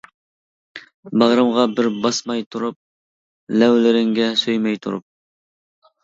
باغرىمغا بىر باسماي تۇرۇپ، لەۋلىرىڭگە سۆيمەي تۇرۇپ.